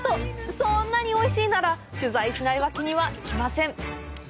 そんなにおいしいなら取材しないわけにはいきません！